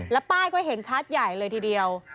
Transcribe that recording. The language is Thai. แล้วป้ายก็เห็นชัดใหญ่เลยทีเดียว